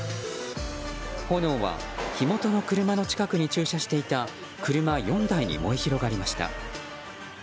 炎は火元の車の近くに駐車していた車４台に燃え広がりました。